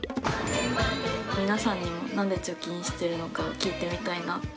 皆さんにも何で貯金してるのかを聞いてみたいなって。